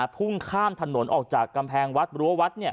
พุ่งข้ามถนนออกจากกำแพงวัดรั้ววัด